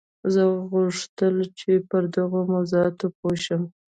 زه غوښتل چې پر دغو موضوعاتو پوه شم